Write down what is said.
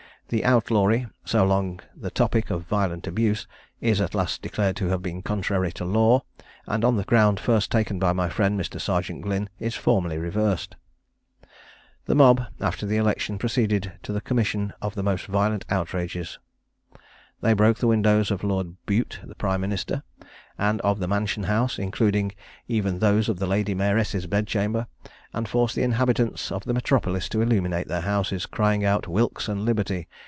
_] The outlawry, so long the topic of violent abuse, is at last declared to have been contrary to law; and on the ground first taken by my friend, Mr. Serjeant Glynn, is formally reversed." The mob after the election proceeded to the commission of the most violent outrages. They broke the windows of Lord Bute, the prime minister, and of the Mansion House, including even those of the lady mayoress's bedchamber, and forced the inhabitants of the metropolis to illuminate their houses, crying out "Wilkes and liberty!"